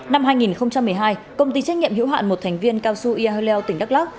năm hai nghìn một mươi hai công ty trách nhiệm hiệu hạn một thành viên cao su ia heo leo tỉnh đắk lắc